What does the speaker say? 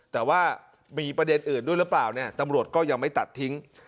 แต่ว่ามีประเด็นอื่นด้วยหรือเปล่าเนี่ยตำรวจก็ยังไม่ตัดทิ้ง